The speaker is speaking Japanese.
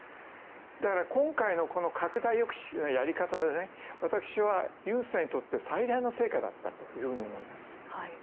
だから今回の拡大抑止のやり方は私は尹さんにとって最大の成果だったと思います。